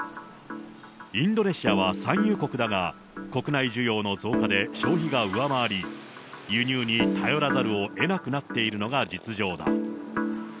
インドネシアは産油国だが、国内需要の増加で消費が上回り、輸入に頼らざるをえなくなっているのが実情だ。